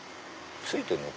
ついてるの？